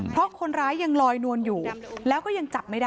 เพราะคนร้ายยังลอยนวลอยู่แล้วก็ยังจับไม่ได้